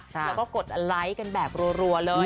แล้วก็กดไลค์กันแบบรัวเลย